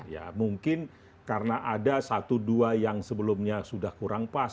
ya mungkin karena ada satu dua yang sebelumnya sudah kurang pas